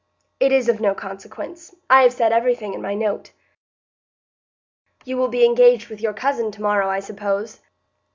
It is of no consequence; I have said everything in my note." "You will be engaged with your cousin to morrow, I suppose?"